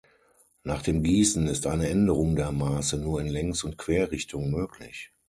Nach dem Gießen ist eine Änderung der Maße nur in Längs- und Querrichtung möglich.